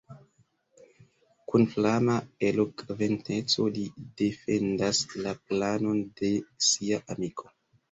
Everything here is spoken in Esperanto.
Kun flama elokventeco li defendas la planon de sia amiko.